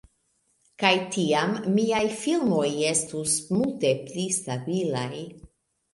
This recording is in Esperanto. Kaj tiam miaj filmoj estus multe pli stabilaj.